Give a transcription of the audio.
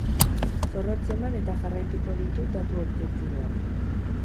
Zorrotz eman eta jarraituko ditu datu objetiboak.